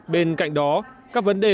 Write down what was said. bên cạnh đó các vấn đề